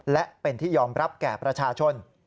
และเป็นที่ยอมรับแก่ประชาชน